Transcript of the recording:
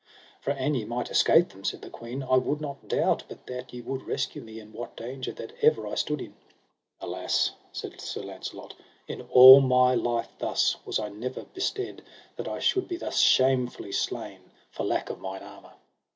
For an ye might escape them, said the queen, I would not doubt but that ye would rescue me in what danger that ever I stood in. Alas, said Sir Launcelot, in all my life thus was I never bestead, that I should be thus shamefully slain for lack of mine armour.